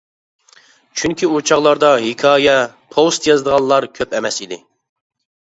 چۈنكى ئۇ چاغلاردا ھېكايە، پوۋېست يازىدىغانلار كۆپ ئەمەس ئىدى.